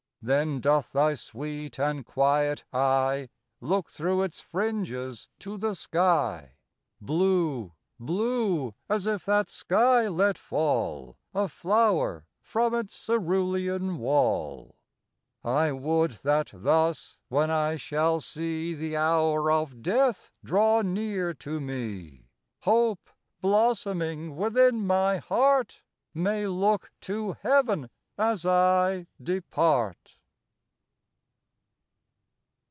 Then doth thy sweet and quiet eye Look through its fringes to the sky, Blue blue as if that sky let fall A flower from its cerulean wall. I would that thus, when I shall see The hour of death draw near to me, Hope, blossoming within my heart, May look to heaven as I depart.